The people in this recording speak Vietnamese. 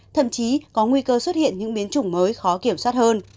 thậm chí có nguy cơ xuất hiện những biến chủng mới khó kiểm soát hơn